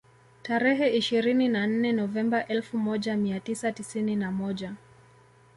Tarehe ishirini na nne Novemba elfu moja mia tisa tisini na moja